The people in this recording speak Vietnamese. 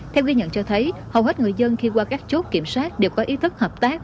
theo ghi nhận cho thấy hầu hết người dân khi qua các chốt kiểm soát đều có ý thức hợp tác